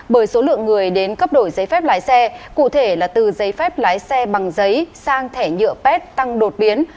bởi số lượng người đến cấp đổi giấy phép lái xe cụ thể là từ giấy phép lái xe bằng giấy sang thẻ nhựa pet tăng đột biến